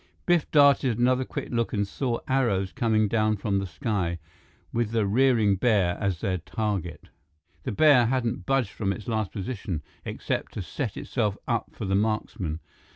Biff darted another quick look and saw arrows coming down from the sky, with the rearing bear as their target. The bear hadn't budged from its last position, except to set itself up for the marksmen.